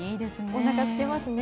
おなかすきますね。